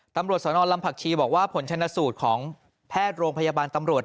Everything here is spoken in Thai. ตำรวจสนลำผักชีบอกว่าผลชนะสูตรของแพทย์โรงพยาบาลตำรวจ